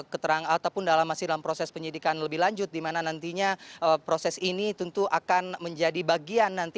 keterangan ataupun masih dalam proses penyidikan lebih lanjut di mana nantinya proses ini tentu akan menjadi bagian nanti